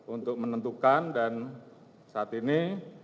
untuk menentukan dan saat ini